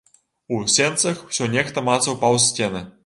У сенцах усё нехта мацаў паўз сцены.